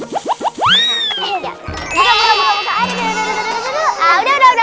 buka buka buka